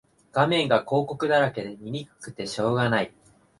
画面が広告だらけで見にくくてしょうがない